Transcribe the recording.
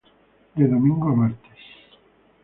De domingo a martes.